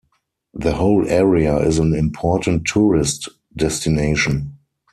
The whole area is an important tourist destination.